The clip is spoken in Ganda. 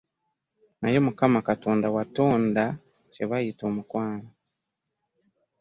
Naye Mukama Katonda watonda kye bayita omukwano!